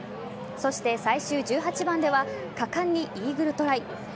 そして、最終１８番では果敢にイーグルトライ。